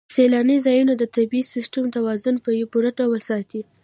سیلاني ځایونه د طبعي سیسټم توازن په پوره ډول ساتي.